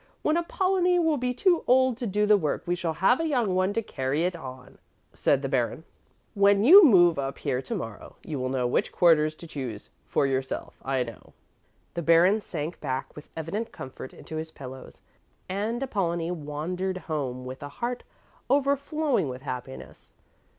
When Apollonie will be too old to do the work, we shall have a young one to carry it on," said the Baron. "When you move up here tomorrow, you will know which quarters to choose for yourself, I know." The Baron sank back with evident comfort into his pillows, and Apollonie wandered home with a heart overflowing with happiness.